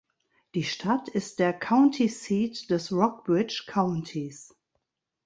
Die Stadt ist der County Seat des Rockbridge Countys.